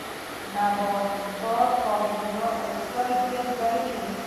نباتات کاربن ډای اکسایډ جذبوي